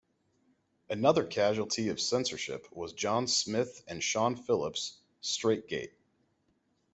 Another casualty of censorship was John Smith and Sean Phillips's "Straitgate".